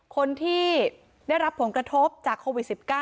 คนที่ได้รับผลกระทบจากโควิด๑๙